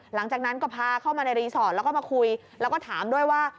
หลังจากนั้นก็พาเข้ามาในรีสอร์ทแล้วก็มาคุยแล้วก็ถามด้วยว่า